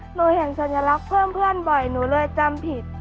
หนูเห็นสัญลักษณ์เพิ่มเพื่อนบ่อยหนูเลยจำผิด